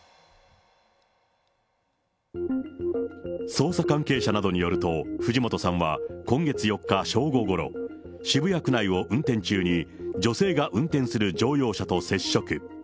捜査関係者などによると、藤本さんは今月４日正午ごろ、渋谷区内を運転中に、女性が運転する乗用車と接触。